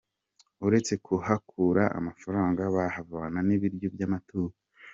Uretse kuhakura amafaranga, bahavana n’ibiryo by’amatungo.